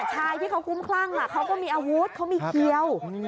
ชายที่เขาคุ้มคลั่งเขาก็มีอาวุธเขามีเขียว